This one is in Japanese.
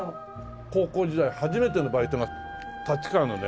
高校時代初めてのバイトが立川のね